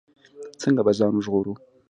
څنګه به ځان ژغورو.